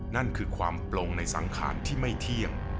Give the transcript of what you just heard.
นั่นคือความโปร่งในสังขารที่ไม่เที่ยง